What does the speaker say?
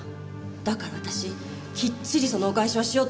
だから私きっちりそのお返しはしようと思って。